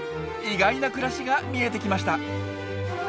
意外な暮らしが見えてきました！